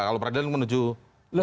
kalau peradilan menuju peradilan